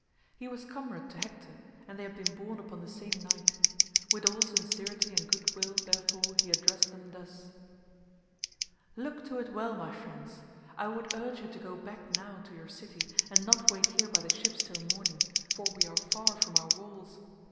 He was comrade to Hector, and they had been born upon the same night; with all sincerity and goodwill, therefore, he addressed them thus:— "Look to it well, my friends; I would urge you to go back now to your city and not wait here by the ships till morning, for we are far from our walls.